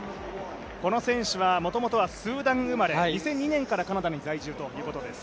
この選手はもともとはスーダン生まれ２０２２年からカナダに在住ということです。